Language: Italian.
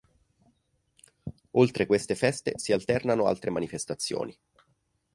Oltre queste feste si alternano altre manifestazioni.